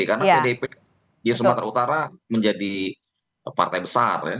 karena pdip di sumatera utara menjadi partai besar ya